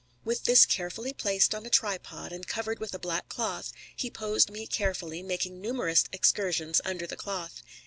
With this carefully placed on a tripod and covered with a black cloth, he posed me carefully, making numerous excursions under the cloth.